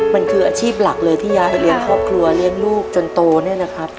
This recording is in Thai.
มันคืออาชีพหลักเลยที่ยายเลี้ยงครอบครัวเลี้ยงลูกจนโตเนี่ยนะครับ